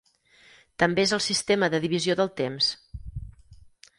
També és el sistema de divisió del temps.